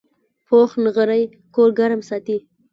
پوخ نغری کور ګرم ساتي